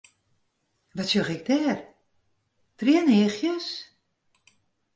Wat sjoch ik dêr, trieneachjes?